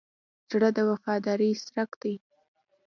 زړه د وفادارۍ څرک دی.